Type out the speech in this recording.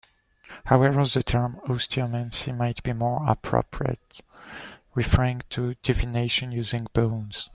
However, the term "osteomancy" might be more appropriate, referring to divination using bones.